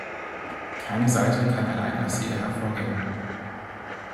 Keine Seite kann allein als Sieger hervorgehen.